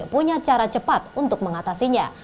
punya cara cepat untuk mengatasinya